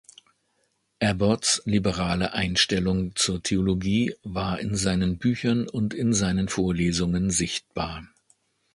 Abbotts liberale Einstellung zur Theologie waren in seinen Büchern und seinen Vorlesungen sichtbar.